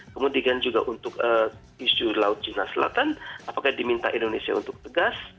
kemudian juga untuk isu laut cina selatan apakah diminta indonesia untuk tegas